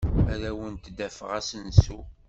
Ad awent-d-afeɣ asensu.